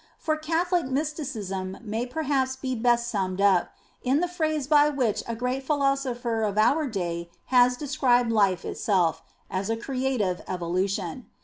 For Catholic Mysticism may perhaps be best summed up, in the phrase by which a great philosopher of our day has described life itself, as a creative evolution.